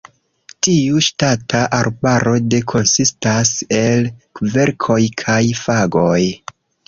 Tiu ŝtata arbaro de konsistas el kverkoj kaj fagoj.